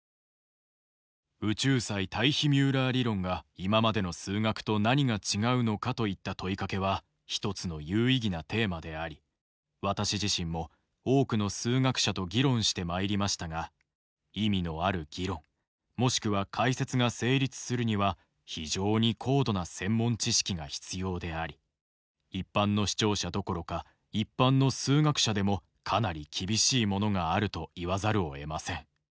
「『宇宙際タイヒミューラー理論』が今までの数学と何が違うのか？といった問い掛けは一つの有意義なテーマであり私自身も多くの数学者と議論してまいりましたが意味のある議論もしくは解説が成立するには非常に高度な専門知識が必要であり一般の視聴者どころか一般の数学者でもかなり厳しいものがあると言わざるを得ません。